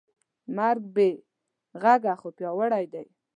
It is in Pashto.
مرګ بېغږه خو پیاوړی دی.